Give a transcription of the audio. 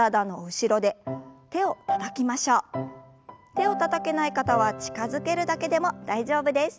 手をたたけない方は近づけるだけでも大丈夫です。